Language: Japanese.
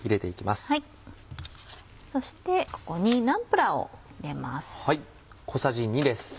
そしてここにナンプラーを入れます。